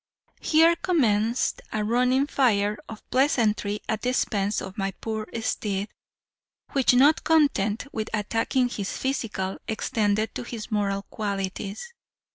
"Here commenced a running fire of pleasantry at the expense of my poor steed; which, not content with attacking his physical, extended to his moral qualities.